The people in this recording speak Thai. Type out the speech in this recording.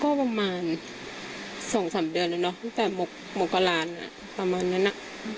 ก็ประมาณ๒๓เดือนแล้วเนอะตั้งแต่มกรานประมาณนั้นอ่ะ